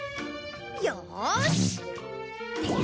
よし！